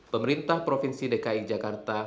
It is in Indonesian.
pemerintah provinsi dki jakarta